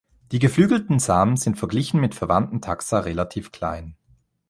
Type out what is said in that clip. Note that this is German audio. Die geflügelten Samen sind verglichen mit verwandten Taxa relativ klein.